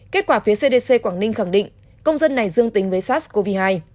kết quả phía cdc quảng ninh khẳng định công dân này dương tính với sars cov hai